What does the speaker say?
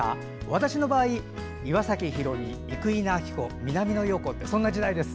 私の場合、岩崎宏美、生稲晃子南野陽子ってそんな時代です。